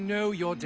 じゃ。